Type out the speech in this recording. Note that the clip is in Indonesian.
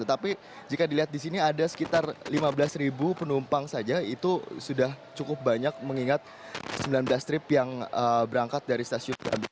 tetapi jika dilihat di sini ada sekitar lima belas penumpang saja itu sudah cukup banyak mengingat sembilan belas trip yang berangkat dari stasiun gambir